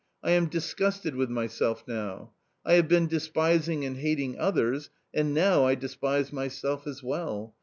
I am disgusted with my self now. I have been despising and hating others, and now I despise myself as well.